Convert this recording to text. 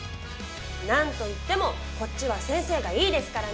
何といってもこっちは先生がいいですからね！